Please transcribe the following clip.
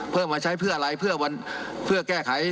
เพื่อมาใช้เพื่ออะไรเพื่อแก้ไข